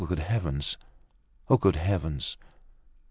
good heavens!—ah! good heavens!"